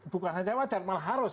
bukan hanya wajar malah harus